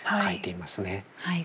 はい。